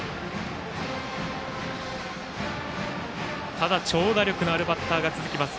ただ、長打力のあるバッターが続きます。